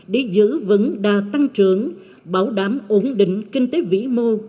để giữ vững đa tăng trưởng bảo đảm ổn định kinh tế vĩ mô